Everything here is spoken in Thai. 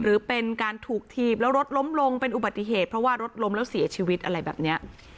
หรือเป็นการถูกถีบแล้วรถล้มลงเป็นอุบัติเหตุเพราะว่ารถล้มแล้วเสียชีวิตอะไรแบบนี้